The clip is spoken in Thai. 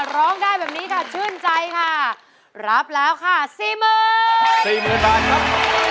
ร้องได้แบบนี้ค่ะชื่นใจค่ะรับแล้วค่ะ๔๐๐๐๐บาทครับ